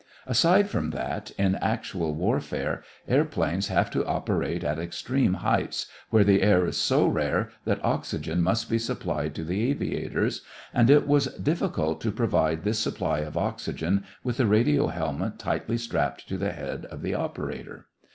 Aside from that, in actual warfare airplanes have to operate at extreme heights, where the air is so rare that oxygen must be supplied to the aviators, and it was difficult to provide this supply of oxygen with the radio helmet tightly strapped to the head of the operator.